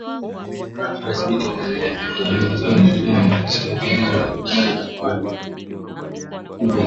Hapo Jumatatu Rais Biden aliidhinisha kutumwa kwa wanajeshi wasiozidi mia tano nchini Somalia katika juhudi za kulenga vyema vikundi vya kigaidi.